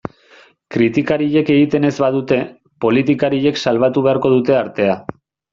Kritikariek egiten ez badute, politikariek salbatu beharko dute artea.